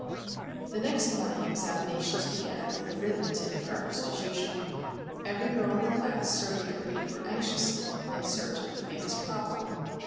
The next morning examinations began, with arithmetic first as usual. Every girl in the class surveyed her paper anxiously, in search of the famous problem.